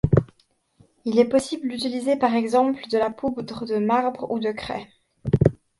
Il est possible d'utiliser par exemple de la poudre de marbre ou de craie.